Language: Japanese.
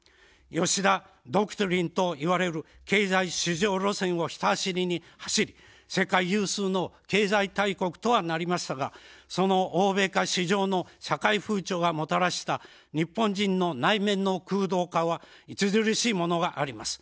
吉田ドクトリンといわれる経済至上路線をひた走りに走り世界有数の経済大国とはなりましたが、その欧米化至上の社会風潮がもたらした日本人の内面の空洞化は著しいものがあります。